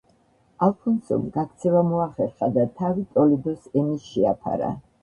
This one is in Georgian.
ალფონსომ გაქცევა მოახერხა და თავი ტოლედოს ემის შეაფარა.